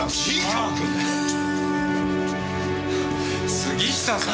杉下さん！